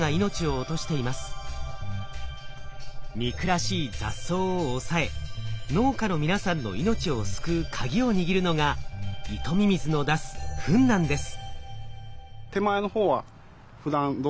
憎らしい雑草を抑え農家の皆さんの命を救うカギを握るのがイトミミズの出すフンなんです。